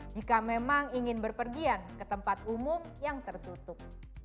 jika memang ingin berpergian ke tempat umum yang tertutup